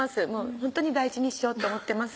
ほんとに大事にしようと思ってます